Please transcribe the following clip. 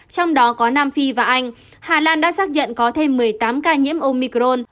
trong đó có nam phi và anh hà lan đã xác nhận có thêm một mươi tám ca nhiễm omicron